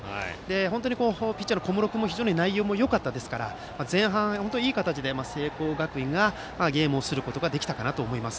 本当にピッチャーの小室君の内容も非常によかったですから前半、いい形で聖光学院がゲームをすることができたかなと思います。